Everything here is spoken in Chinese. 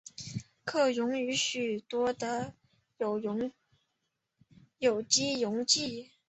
可溶于多数有机溶剂。